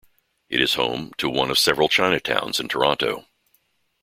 It is home to one of several Chinatowns in Toronto.